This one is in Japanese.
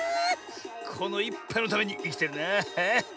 このいっぱいのためにいきてるな。